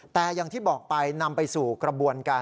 แต่อย่างที่บอกไปนำไปสู่กระบวนการ